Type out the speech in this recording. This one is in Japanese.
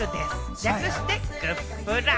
略してグップラ。